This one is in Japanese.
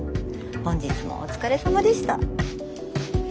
本日もお疲れ様でした」。